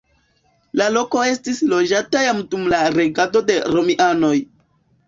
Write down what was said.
La loko estis loĝata jam dum la regado de romianoj.